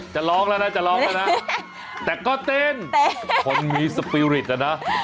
จะร้องแล้วนะจะร้องแล้วนะแต่ก็เต้นคนมีสปีริตนะ